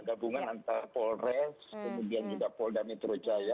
gabungan antara polres kemudian juga poldamitrojaya